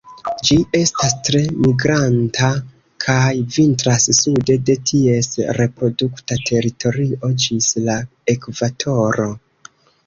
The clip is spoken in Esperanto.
Ĝi estas tre migranta kaj vintras sude de ties reprodukta teritorio ĝis la ekvatoro.